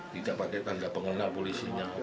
tidak pakai tanda pengenal polisinya